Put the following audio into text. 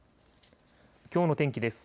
きょうの天気です。